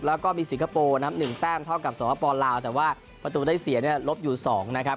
แล้วก็มีสิงคโปร์๑เต็มเท่ากับสหปอลลาวแต่ว่าประตูได้เสียลบอยู่๒นะครับ